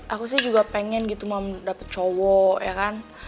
aku sih juga pengen gitu mau dapat cowok ya kan